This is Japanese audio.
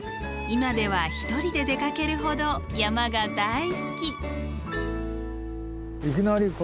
今では一人で出かけるほど山が大好き。